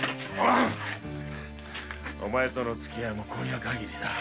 お前とのつきあいも今夜限りだ。